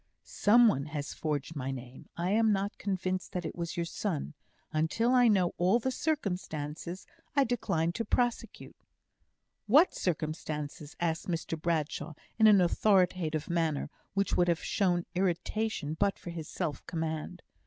"Someone has forged my name. I am not convinced that it was your son. Until I know all the circumstances, I decline to prosecute." "What circumstances?" asked Mr Bradshaw, in an authoritative manner, which would have shown irritation but for his self command.